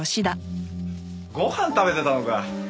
ご飯食べてたのか。